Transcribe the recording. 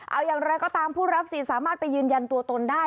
เอาอย่างไรก็ตามผู้รับสินสามารถไปยืนยันตัวตนได้